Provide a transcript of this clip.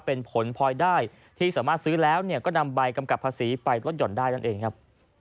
เป็นผลพลอยได้ที่สามารถซื้อแล้วก็นำใบกำกับภาษีไปลดห่อนได้นั่นเองครับ